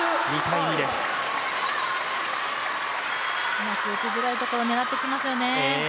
うまく打ちづらいところを狙ってきますよね。